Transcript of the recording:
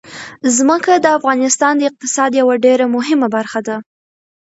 ځمکه د افغانستان د اقتصاد یوه ډېره مهمه برخه ده.